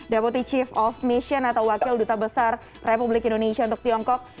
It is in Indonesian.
deputi chief of mission atau wakil duta besar republik indonesia untuk tiongkok